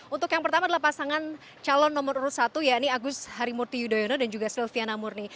untuk yang pertama adalah pasangan calon nomor urut satu ya ini agus harimurti yudhoyono dan juga silviana murni